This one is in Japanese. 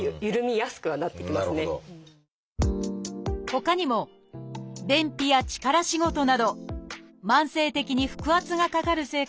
ほかにも便秘や力仕事など慢性的に腹圧がかかる生活も